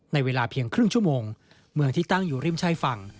ในเวลาเพียงครึ่งชั่วโมงเมืองที่ตั้งอยู่ริมชายฝั่ง